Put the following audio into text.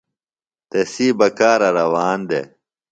تسی بکارہ روان دےۡ۔